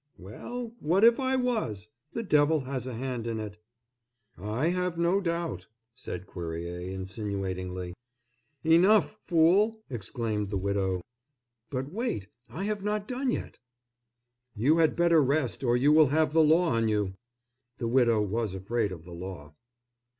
"Well, what if I was! The devil has a hand in it." "I have no doubt," said Cuerrier, insinuatingly. "Enough, fool!" exclaimed the widow—"but wait, I have not done yet!" "You had better rest, or you will have the law on you." The widow was afraid of the law.